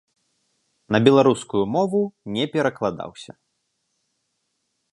На беларускую мову не перакладаўся.